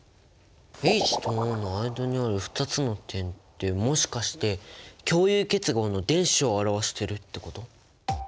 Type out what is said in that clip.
ＨとＯの間にある２つの点ってもしかして共有結合の電子を表してるってこと？